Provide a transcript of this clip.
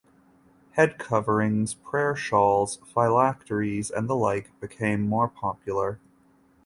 Head coverings, prayer shawls, phylacteries and the like became more popular.